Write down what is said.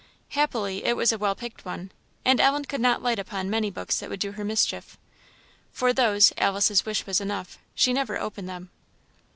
Happily it was a well picked one, and Ellen could not light upon many books that would do her mischief. For those, Alice's wish was enough she never opened them.